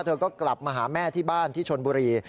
เธอก็กลับมาหาแม่ที่บ้านที่ชนบุรี